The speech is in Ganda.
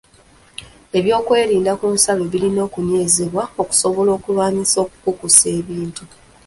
Obyokwerinda ku nsalo birina okunywezebwa okusobola okulwanyisa okukukusa ebintu.